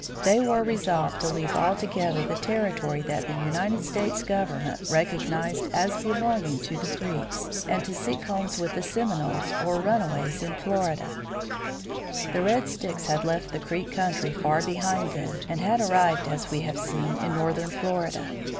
They were resolved to leave altogether the territory that the United States government recognized as belonging to the Creeks, and seek homes with the Seminoles or runaways in Florida. [Illustration: CREEK INDIANS] The Red Sticks had left the Creek country far behind them, and had arrived, as we have seen, in northern Florida.